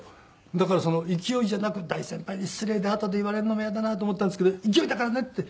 だから勢いじゃなく大先輩に失礼であとで言われるのも嫌だなと思ったんですけど勢いだからねって。